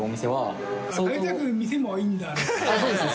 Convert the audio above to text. そうですね。